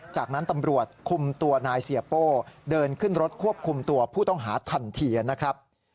จากนั้นตำรวจคุมตัวนายเสียโป้เดินขึ้นรถควบคุมตัวผู้ต้องหาทันทีนะครับ